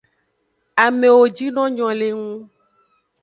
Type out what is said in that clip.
Amewo jino nyo le ngu.